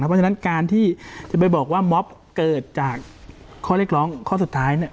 เพราะฉะนั้นการที่จะไปบอกว่าม็อบเกิดจากข้อเรียกร้องข้อสุดท้าย